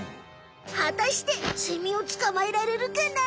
はたしてセミをつかまえられるかな？